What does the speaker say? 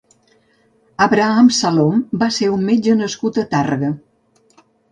Abram Salom va ser un metge nascut a Tàrrega.